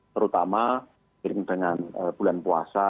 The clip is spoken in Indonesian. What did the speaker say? terutama dengan bulan puasa